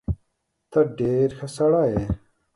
ته ډیر ښه سړی یې